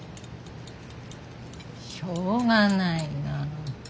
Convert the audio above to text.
しょうがないな。